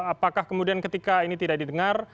apakah kemudian ketika ini tidak didengar